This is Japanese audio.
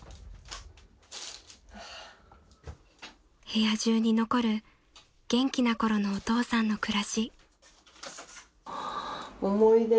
［部屋中に残る元気なころのお父さんの暮らし］